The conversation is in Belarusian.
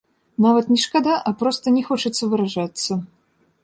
Нават не шкада, а проста не хочацца выражацца.